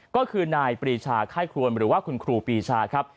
ก็คือนายปรีชาไข้ครวนหรือว่าคุณครูปีชาครับ